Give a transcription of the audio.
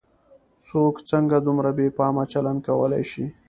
څوک څنګه دومره بې پامه چلن کولای شي.